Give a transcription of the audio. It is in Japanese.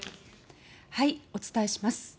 お伝えします。